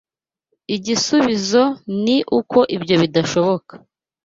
Igisubizo ni uko ibyo bidashoboka